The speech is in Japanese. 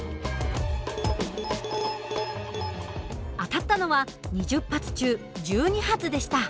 当たったのは２０発中１２発でした。